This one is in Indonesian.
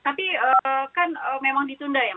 tapi kan memang ditunda ya